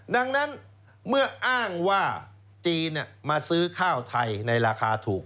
ดังนั้นเมื่ออ้างว่าจีนมาซื้อข้าวไทยในราคาถูก